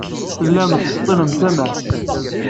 Tellam tettseḍḍilem tamart.